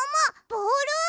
ボール！？